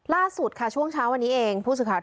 ล่าสุดค่ะช่วงเช้าอันนี้เอง